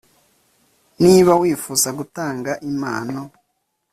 Niba wifuza gutanga impano